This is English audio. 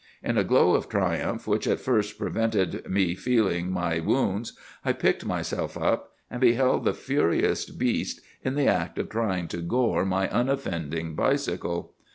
"'In a glow of triumph, which at first prevented me feeling my wounds, I picked myself up, and beheld the furious beast in the act of trying to gore my unoffending bicycle.